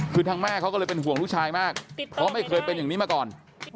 คือทางแม่เขาก็เลยเป็นห่วงลูกชายมากเพราะไม่เคยเป็นอย่างนี้มาก่อน